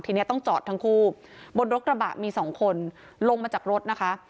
ทีนี้ต้องจอดทั้งคู่บนรถกระบะมีสองคนลงมาจากรถนะคะ